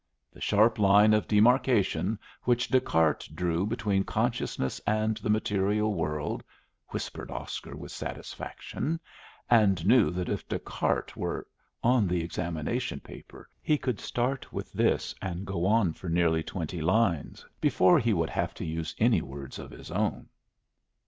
"The sharp line of demarcation which Descartes drew between consciousness and the material world," whispered Oscar with satisfaction, and knew that if Descartes were on the examination paper he could start with this and go on for nearly twenty lines before he would have to use any words of his own.